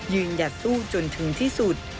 หยัดสู้จนถึงที่สุด